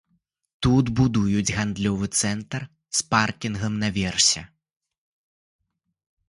Тут будуюць гандлёвы цэнтр з паркінгам на версе.